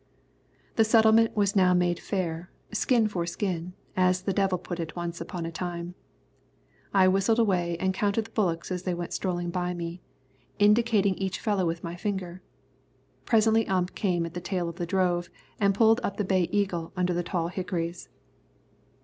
The settlement was now made fair, skin for skin, as the devil put it once upon a time. I whistled away and counted the bullocks as they went strolling by me, indicating each fellow with my finger. Presently Ump came at the tail of the drove and pulled up the Bay Eagle under the tall hickories.